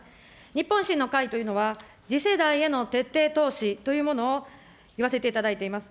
日本維新の会というのは、次世代への徹底投資というものをいわせていただいています。